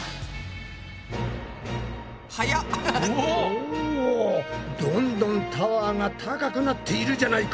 おどんどんタワーが高くなっているじゃないか！